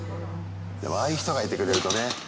でもああいう人がいてくれるとね。